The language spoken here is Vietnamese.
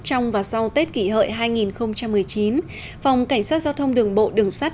trong và sau tết kỷ hợi hai nghìn một mươi chín phòng cảnh sát giao thông đường bộ đường sắt